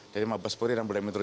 dari mabespori dan budai mitru